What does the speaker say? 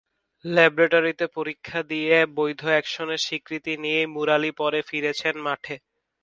ল্যাবরেটরিতে পরীক্ষা দিয়ে, বৈধ অ্যাকশনের স্বীকৃতি নিয়েই মুরালি পরে ফিরেছেন মাঠে।